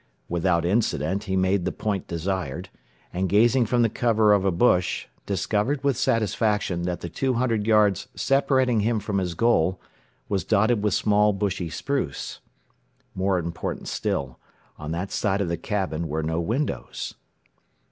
Without incident he made the point desired, and gazing from the cover of a bush, discovered with satisfaction that the two hundred yards separating him from his goal was dotted with small bushy spruce. More important still, on that side of the cabin were no windows.